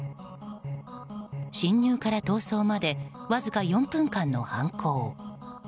侵入から逃走までわずか４分間の犯行。